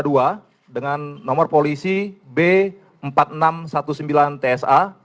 dengan nomor polisi b empat ribu enam ratus sembilan belas tsa